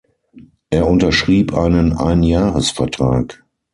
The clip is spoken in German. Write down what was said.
Er unterschrieb einen Ein-Jahres-Vertrag.